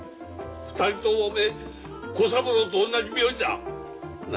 ２人ともおめえ小三郎と同じ名字だ。な？